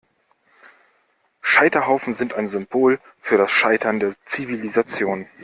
Scheiterhaufen sind ein Symbol für das Scheitern der Zivilisation.